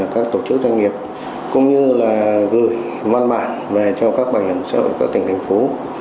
các tổ chức doanh nghiệp cũng như là gửi ngoan mạn về cho các bảo hiểm xã hội các tỉnh thành phố